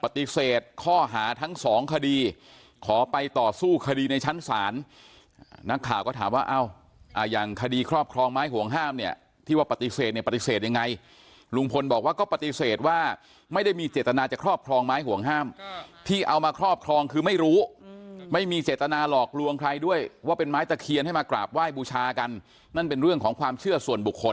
ข้อหาทั้งสองคดีขอไปต่อสู้คดีในชั้นศาลนักข่าวก็ถามว่าเอ้าอย่างคดีครอบครองไม้ห่วงห้ามเนี่ยที่ว่าปฏิเสธเนี่ยปฏิเสธยังไงลุงพลบอกว่าก็ปฏิเสธว่าไม่ได้มีเจตนาจะครอบครองไม้ห่วงห้ามที่เอามาครอบครองคือไม่รู้ไม่มีเจตนาหลอกลวงใครด้วยว่าเป็นไม้ตะเคียนให้มากราบไหว้บูชากันนั่นเป็นเรื่องของความเชื่อส่วนบุคคล